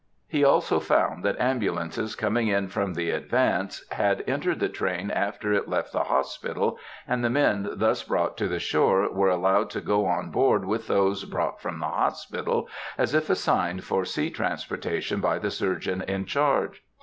He also found that ambulances coming in from the advance had entered the train after it left the hospital, and the men thus brought to the shore were allowed to go on board with those brought from the hospital, as if assigned for sea transportation by the surgeon in charge.